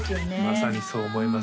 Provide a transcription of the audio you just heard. まさにそう思います